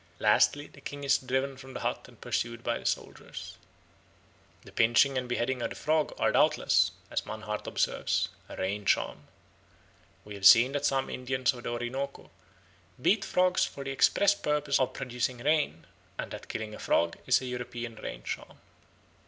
Lastly, the king is driven from the hut and pursued by the soldiers. The pinching and beheading of the frog are doubtless, as Mannhardt observes, a rain charm. We have seen that some Indians of the Orinoco beat frogs for the express purpose of producing rain, and that killing a frog is a European rain charm.